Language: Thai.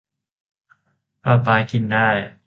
ประปากินได้